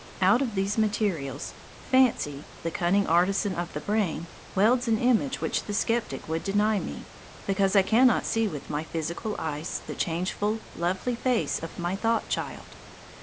Out of these materials Fancy, the cunning artisan of the brain, welds an image which the sceptic would deny me, because I cannot see with my physical eyes the changeful, lovely face of my thought child.